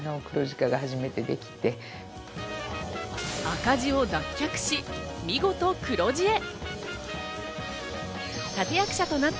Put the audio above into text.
赤字を脱却し、見事、黒字へ。